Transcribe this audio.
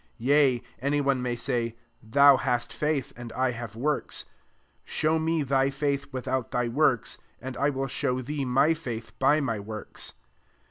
18 Yea, any one may say, Thou hast faith, and I have works : show me thy feith without [thy^ works, and I will show thee [wyj faith by my works.